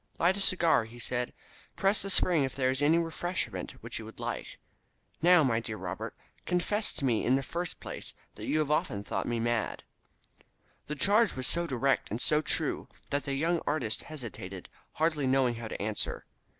"Light a cigar," he said. "Press the spring if there is any refreshment which you would like. Now, my dear Robert, confess to me in the first place that you have often thought me mad." The charge was so direct and so true that the young artist hesitated, hardly knowing how to answer.